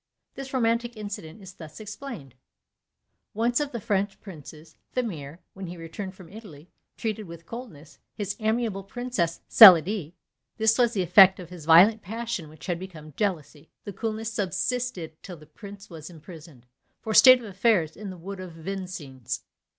This romantic incident is thus explained: One of the French princes (Thamire), when he returned from Italy, treated with coldness his amiable princess (Celidée); this was the effect of his violent passion, which had become jealousy. The coolness subsisted till the prince was imprisoned, for state affairs, in the wood of Vincennes.